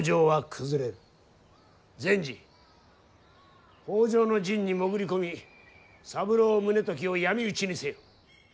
善児北条の陣に潜り込み三郎宗時を闇討ちにせよ。